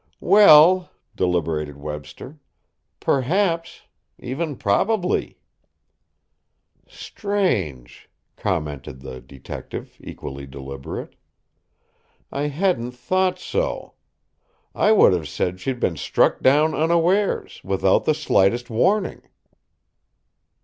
"Well," deliberated Webster, "perhaps; even probably." "Strange," commented the detective, equally deliberate. "I hadn't thought so. I would have said she'd been struck down unawares without the slightest warning."